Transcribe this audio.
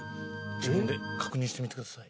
自分で確認してみてください。